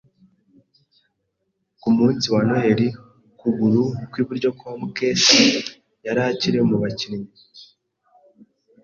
Ku munsi wa Noheri, ukuguru kwiburyo kwa Mukesha yari akiri mu bakinnyi.